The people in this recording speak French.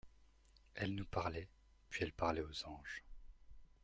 Elle nous parlait, puis elle parlait aux anges.